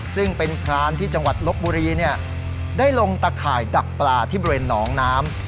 ซึ่งเป็นพรานที่จังหวัดลบบุรีได้ลงตะข่ายดักปลาที่บริเวณหนองน้ำ